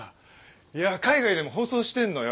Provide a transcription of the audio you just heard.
いや海外でも放送してんのよ。